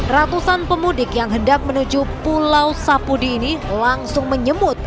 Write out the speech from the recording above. ratusan pemudik yang hendak menuju pulau sapudi ini langsung menyemut